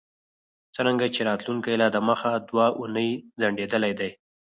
څرنګه چې راتلونکی لا دمخه دوه اونۍ ځنډیدلی دی